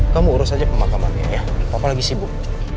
kamu urus aja pemakamannya ya papa lagi sibuk